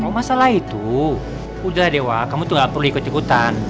kalau masalah itu udah dewa kamu itu nggak perlu ikut ikutan